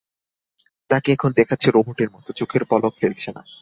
তাকে এখন দেখাচ্ছে রোবটের মতো, চোখের পলক ফেলছে না।